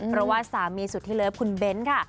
เพราะว่าสามีสุดที่เลิฟคุณเบ้นค่ะ